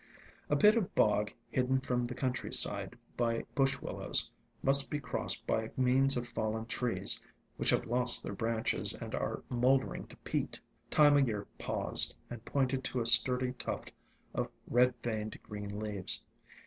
A bit of bog hidden from the country side by Bush Willows must be crossed by means of fallen trees, which have lost their branches and are mol dering to peat. Time o' Year paused, and pointed to a sturdy tuft of red veined green leaves.